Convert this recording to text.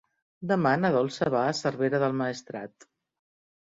Demà na Dolça va a Cervera del Maestrat.